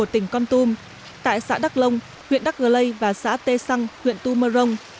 tỉnh con tum tại xã đắk lông huyện đắk rây và xã tê săng huyện tu mơ rông